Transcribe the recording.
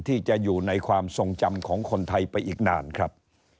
ที่จะอยู่ในความทรงจำของคนไทยไปอีกนานครับ